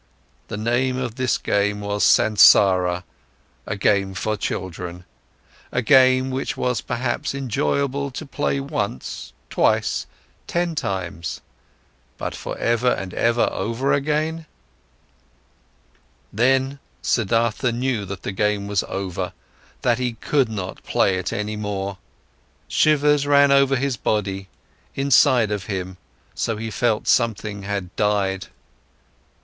The name of this game was Sansara, a game for children, a game which was perhaps enjoyable to play once, twice, ten times—but for ever and ever over again? Then, Siddhartha knew that the game was over, that he could not play it any more. Shivers ran over his body, inside of him, so he felt, something had died.